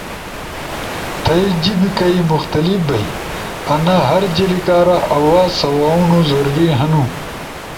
تھئی جیِب کئی مختلف بئیانا ہر جلی کارا آواز سواؤنو ضروری ہنو۔